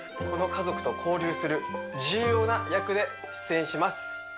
この家族と交流する重要な役で出演します